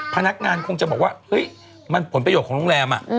พนักงานคงจะบอกว่าเฮ้ยมันผลประโยชน์ของโรงแรม